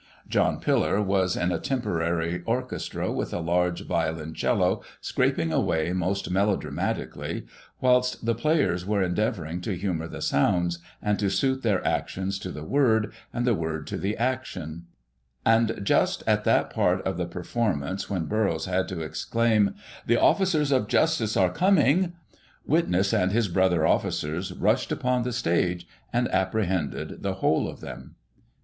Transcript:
John Pillar was in a temporary orchestra with a large violon cello, scraping away most melodramatically, whilst the players were endeavouring to htmiour the sotmds, and to suit their action to the word, and the word to the action ; and just at that part of the performance when Burrows had to exclaim, " The officers of justice are coming,*' witness and his brother officers rushed upon the stage, and apprehended the whole of them.